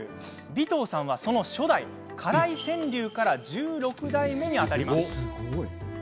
尾藤さんは、その初代柄井川柳から十六代目にあたります。